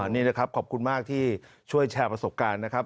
นี่นะครับขอบคุณมากที่ช่วยแชร์ประสบการณ์นะครับ